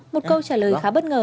một câu trả lời khá bất ngờ